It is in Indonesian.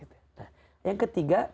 nah yang ketiga